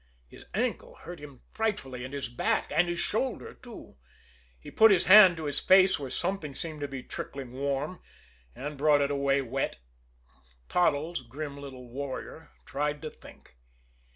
His ankle hurt him frightfully, and his back, and his shoulder, too. He put his hand to his face where something seemed to be trickling warm and brought it away wet. Toddles, grim little warrior, tried to think.